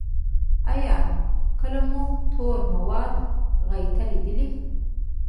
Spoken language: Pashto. ایا کله مو تور مواد غایطه لیدلي؟